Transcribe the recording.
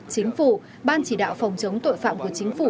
chính phủ ban chỉ đạo phòng chống tội phạm của chính phủ